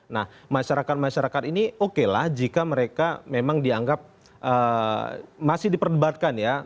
nah masyarakat masyarakat ini oke lah jika mereka memang dianggap masih diperdebatkan ya